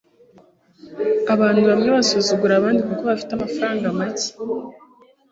abantu bamwe basuzugura abandi kuko bafite amafaranga make